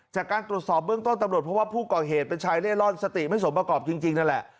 จากการตรวจสอบเบื้องต้นตำรวจเพราะว่าผู้ก่อเหตุเป็นชายเล่ร่อนสติไม่สมประกอบจริงนั่นแหละ